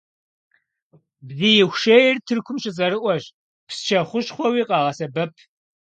Бзииху шейр Тыркум щыцӏэрыӏуэщ, псчэ хущхъуэуи къагъэсэбэп.